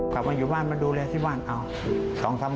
กลับมาอยู่บ้านมาดูเรียกณะที่บ้าน